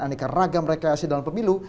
aneka ragam rekreasi dalam pemilu